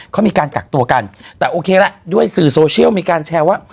เขามีการกักตัวกันแต่โอเคละด้วยสื่อโซเชียลมีการแชร์ว่า